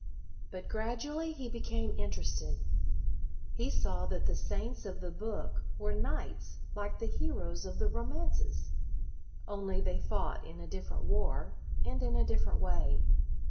But gradually he became in 56 LOYOLA terested. He saw that the saints of the book were knights like the heroes of the romances, only they fought in a different war and in a different way.